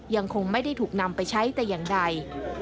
ยังคงไม่ได้ถูกนำไปใช้แต่อย่างใด